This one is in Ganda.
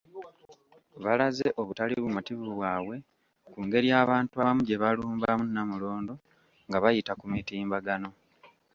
Balaze obutali bumativu bwabwe ku ngeri abantu abamu gye balumbamu Namulondo nga bayita ku mitimbagano.